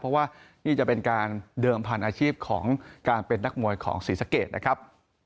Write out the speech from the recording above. เพราะว่านี่จะเป็นการเดิมพันธุ์อาชีพของการเป็นนักมวยของศรีสะเกดนะครับ